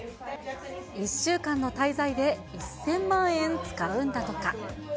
１週間の滞在で１０００万円使うんだとか。